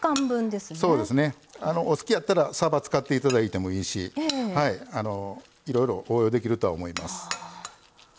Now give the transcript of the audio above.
お好きやったらさば使っていただいてもいいしいろいろ応用できるとは思います。